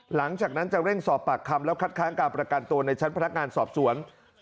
หลังจากนั้นจะเร่งสอบปากคำแล้วคัดค้างการประกันตัวในชั้นพนักงานสอบสวน